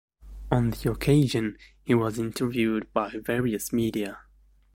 On the occasion, he was interviewed by various media.